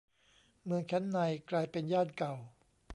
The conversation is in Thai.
เมืองชั้นในกลายเป็นย่านเก่า